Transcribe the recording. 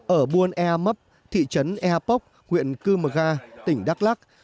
ở buôn ea mấp thị trấn ea póc huyện cư mờ ga tỉnh đắk lắc